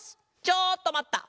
ちょっとまった！